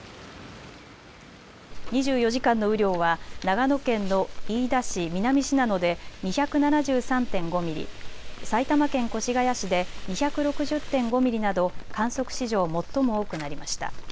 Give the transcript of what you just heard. ２４時間の雨量は長野県の飯田市南信濃で２７３．５ミリ、埼玉県越谷市で２６０．５ミリなど観測史上最も多くなりました。